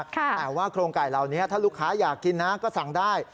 แต่ว่าโครงไก่เหล่านี้ถ้าลูกค้าอยากกินนะก็สั่งได้